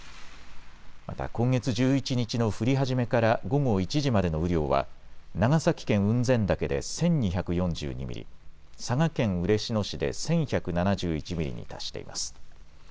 また今月１１日の降り始めから午後１時までの雨量は長崎県雲仙岳で１２４２ミリ、佐賀県嬉野市で１１７１ミリに達しています。